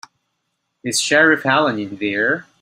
Is Sheriff Helen in there?